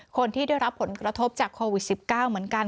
คนที่ได้รับผลกระทบจากโควิด๑๙เหมือนกัน